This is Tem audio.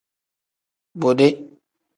Bode.